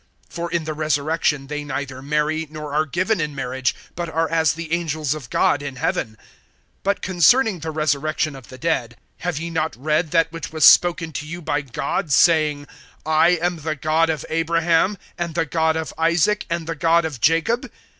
(30)For in the resurrection they neither marry, nor are given in marriage, but are as the angels of God in heaven. (31)But concerning the resurrection of the dead, have ye not read that which was spoken to you by God, saying: (32)I am the God of Abraham, and the God of Isaac, and the God of Jacob?